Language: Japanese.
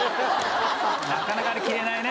なかなかあれ着れないね